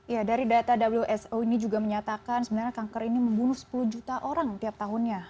ya dari data wso ini juga menyatakan sebenarnya kanker ini membunuh sepuluh juta orang tiap tahunnya